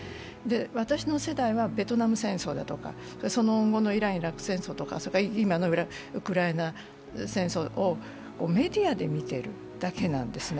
私の世代はベトナム戦争だとか、その後のイラン・イラク戦争だとか、今のウクライナ戦争をメディアで見てるだけなんですね。